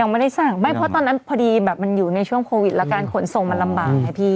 ไม่ได้สั่งไม่เพราะตอนนั้นพอดีแบบมันอยู่ในช่วงโควิดแล้วการขนส่งมันลำบากไงพี่